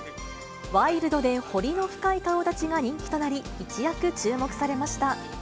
ワイルドで彫りの深い顔だちが人気となり、一躍注目されました。